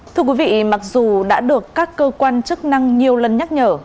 thưa quý vị mặc dù đã được các cơ quan chức năng nhiều lần nhắc nhở